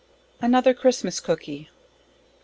Another Christmas Cookey.